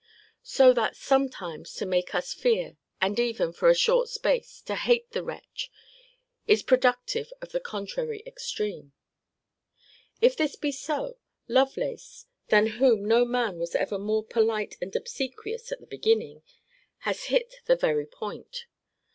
So that, sometimes to make us fear, and even, for a short space, to hate the wretch, is productive of the contrary extreme. If this be so, Lovelace, than whom no man was ever more polite and obsequious at the beginning, has hit the very point.